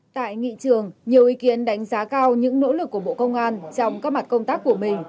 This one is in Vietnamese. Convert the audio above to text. tại nghị trường nhiều ý kiến đánh giá cao những nỗ lực của bộ công an trong các mặt công tác của mình